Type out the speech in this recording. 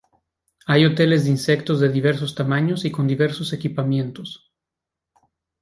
Hay hoteles de insectos de diversos tamaños y con diversos equipamientos.